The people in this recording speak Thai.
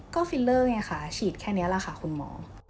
ก็ฟิลเลอร์ไงค่ะฉีดแค่นี้แหละค่ะคุณหมอ